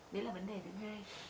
đấy là vấn đề thứ hai